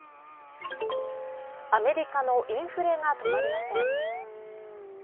アメリカのインフレが止まりません。